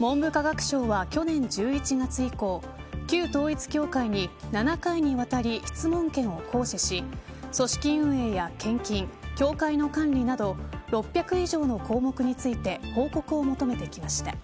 文部科学省は去年１１月以降旧統一教会に、７回にわたり質問権を行使し組織運営や献金教会の管理など６００以上の項目について報告を求めてきました。